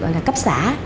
gọi là cấp xã